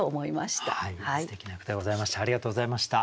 すてきな句でございました。